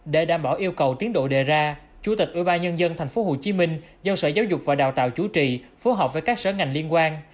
để đảm bảo yêu cầu tiến độ đề ra chủ tịch ubnd tp hcm giao sở giáo dục và đào tạo chủ trì phối hợp với các sở ngành liên quan